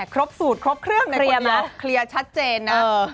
ครบสูตรครบเครื่องในคนเนี้ยคลียร์ชัดเจนนะ